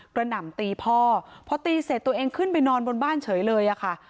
กระหน่ำตีพ่อเพาะตีเสร็จตัวเองขึ้นไปนอนบนบ้านเฉยเลย